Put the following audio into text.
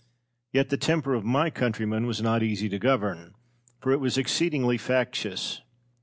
Yet the temper of my countrymen was not easy to govern, for it was exceedingly factious.